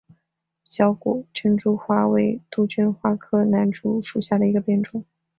小果珍珠花为杜鹃花科南烛属下的一个变种。